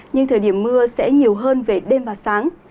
nhưng thời điểm mưa sẽ nhiều hơn về đêm và sáng